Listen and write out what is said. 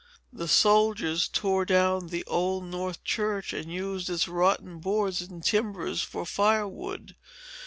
The soldiers tore down the Old North church, and used its rotten boards and timbers for fire wood.